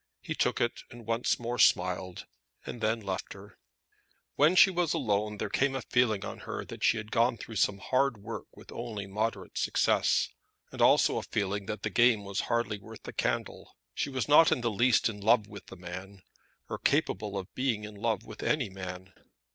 He took it, and once more smiled, and then left her. When she was alone there came a feeling on her that she had gone through some hard work with only moderate success; and also a feeling that the game was hardly worth the candle. She was not in the least in love with the man, or capable of being in love with any man.